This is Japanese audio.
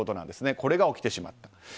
これが起きてしまう。